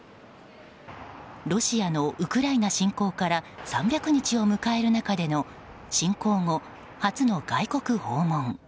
ロシアのウクライナ侵攻から３００日を迎える中での侵攻後、初の外国訪問。